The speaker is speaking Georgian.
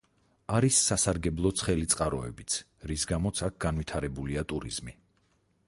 არის სასარგებლო ცხელი წყაროებიც, რის გამოც აქ განვითარებულია ტურიზმი.